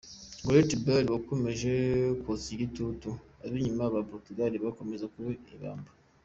Gareth Bale wakomeje kotsa igitutu abinyuma ba Portugal bakomeza kuba ibamba